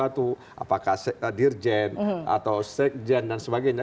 apakah dirjen atau sekjen dan sebagainya